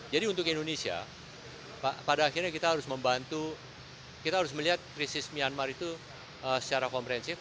jadi untuk indonesia pada akhirnya kita harus membantu kita harus melihat krisis myanmar itu secara komprehensif